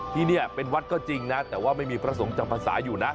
ที่นี่เป็นวัดก็จริงนะแต่ว่าไม่มีพระสงฆ์จำภาษาอยู่นะ